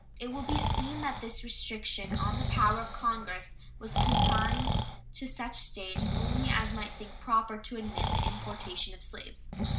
It will be seen that this restriction on the power of Congress was confined to such States only as might think proper to admit the importation of slaves.